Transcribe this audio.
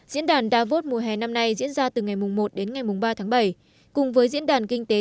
diễn đàn davos mùa hè năm nay diễn ra từ ngày một đến ngày ba tháng bảy cùng với diễn đàn kinh tế